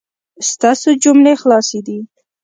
ستاسو جملې خلاصې دي